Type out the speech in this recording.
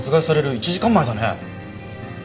１時間前だね。